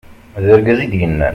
d argaz i d-yennan